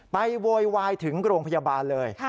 โวยวายถึงโรงพยาบาลเลย